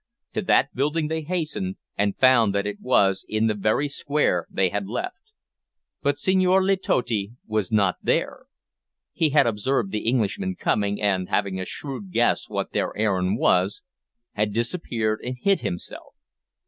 To that building they hastened, and found that it was in the very square they had left. But Senhor Letotti was not there. He had observed the Englishmen coming, and, having a shrewd guess what their errand was, had disappeared and hid himself.